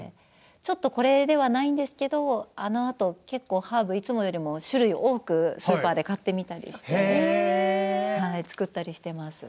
ちょっとこれではないんですけどあのあと結構ハーブいつもより種類多くスーパーで買ってみたりして作ったりしています。